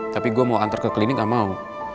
tapi gue mau antar ke klinik gak mau